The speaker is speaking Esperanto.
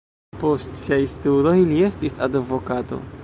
Post siaj studoj li estis advokato.